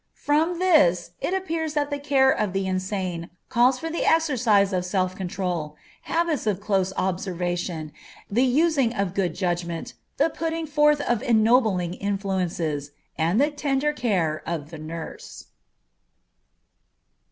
From this it appears that the care of the insane calls for the exercise of self control, habits of close observation, the using of good judgment, the putting forth of ennobling influences, and the tender care of the nurse.